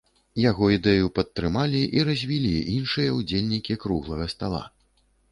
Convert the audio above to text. Яго ідэю падтрымалі і развілі іншыя ўдзельнікі круглага стала.